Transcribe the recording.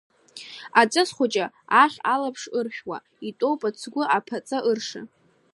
Аҵыс хәыҷ ахь алаԥш ыршәуа, итәоуп ацгәы, аԥаҵа ырша.